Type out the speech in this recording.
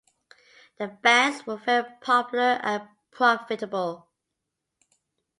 The baths were very popular and profitable.